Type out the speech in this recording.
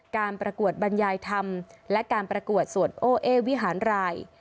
การประกวดบรรยายธรรมและการประกวดสวดโอ้เอวิหารราย